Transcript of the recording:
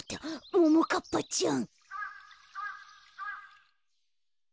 ・ももかっぱちゃん。